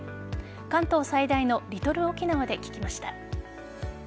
関東最大のリトル沖縄で聞きました。